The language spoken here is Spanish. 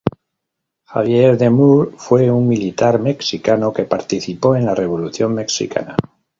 Javier De Moure fue un militar mexicano que participó en la Revolución mexicana.